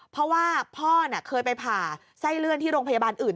เพราะว่าพ่อเคยไปผ่าไส้เลื่อนที่โรงพยาบาลอื่น